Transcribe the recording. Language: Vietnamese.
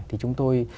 thì chúng tôi